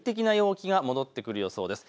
快適な陽気が戻ってくる予想です。